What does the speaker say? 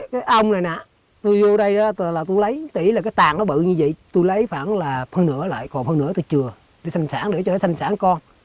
cái ong này nè tôi vô đây là tôi lấy tỉ là cái tàn nó bự như vậy tôi lấy khoảng là phân nửa lại còn phân nửa tôi chừa đi sanh sản nữa cho nó sanh sản con